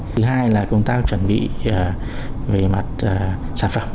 thứ hai là công tác chuẩn bị về mặt sản phẩm